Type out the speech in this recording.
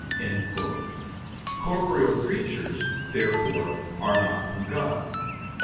Corporeal creatures, therefore, are not from God.